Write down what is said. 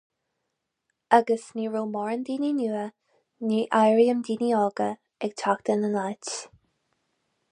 Agus ní raibh mórán daoine nua, ní áirím daoine óga, ag teacht ina n-áit.